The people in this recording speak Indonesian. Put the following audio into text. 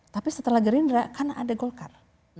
tapi setelah gerindra karena ada golkar